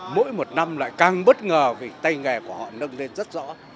mỗi một năm lại càng bất ngờ vì tay nghề của họ nâng lên rất rõ